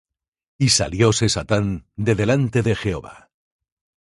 Y salióse Satán de delante de Jehová.